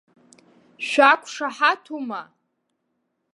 Шәақәшаҳаҭума?